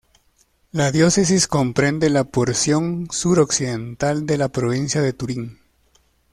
La diócesis comprende la porción sur-occidental de la provincia de Turín.